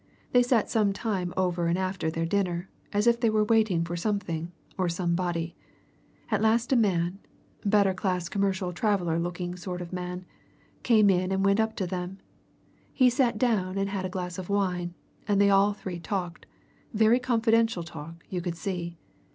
They sat some time over and after their dinner, as if they were waiting for something or somebody. At last a man better class commercial traveller looking sort of man came in and went up to them. He sat down and had a glass of wine, and they all three talked very confidential talk, you could see.